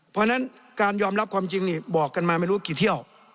เพราะฉะนั้นการยอมรับความจริงนี่บอกกันมาไม่รู้กี่เที่ยว